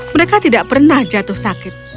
mereka tidak pernah jatuh sakit